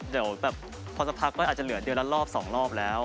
เดี๋ยวแบบพอสักพักไว้อาจจะเหลือเดือนละรอบ๒รอบแล้ว